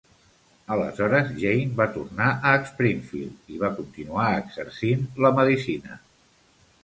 Aleshores Jayne va tornar a Springfield i va continuar exercint la medicina.